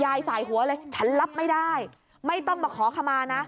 สายหัวเลยฉันรับไม่ได้ไม่ต้องมาขอขมานะ